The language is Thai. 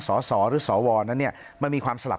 สสหรือสวนั้นมันมีความสลับ